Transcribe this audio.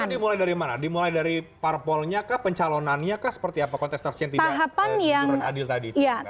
akan dimulai dari mana dimulai dari parpolnya kah pencalonannya kah seperti apa kontestasi yang tidak jujur adil tadi